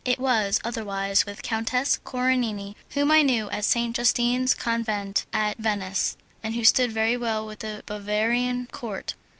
It was otherwise with Countess Coronini, whom I knew at St. Justine's Convent at Venice, and who stood very well with the Bavarian Court.